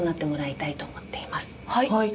はい。